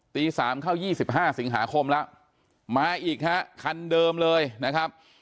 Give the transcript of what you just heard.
ตีสามเข้ายี่สิบห้าสิงหาคมแล้วมาอีกฮะคันเดิมเลยนะครับ